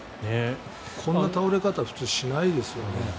この倒れ方は普通しないですよね。